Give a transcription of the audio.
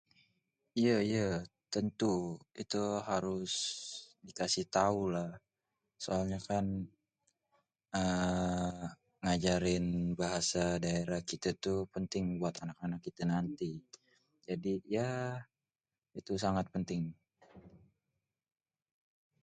Iye iye tentu. Itu harus dikasih tau lah. Soalnya kan eee ngajarin bahasa daerah kite tuh penting buat anak-anak kite nanti. Jadi ya itu sangat penting.